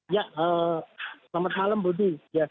ya selamat malam budi